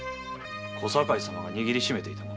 小堺様が握りしめていた物？